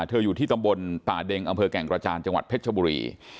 อยู่ที่ตำบลป่าเด็งอำเภอแก่งกระจานจังหวัดเพชรชบุรี